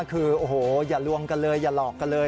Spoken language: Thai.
คือโอ้โหอย่าลวงกันเลยอย่าหลอกกันเลย